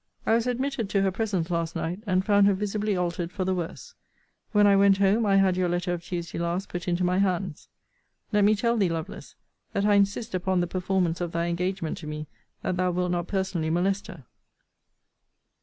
I was admitted to her presence last night; and found her visibly altered for the worse. When I went home, I had your letter of Tuesday last put into my hands. Let me tell thee, Lovelace, that I insist upon the performance of thy engagement to me that thou wilt not personally molest her.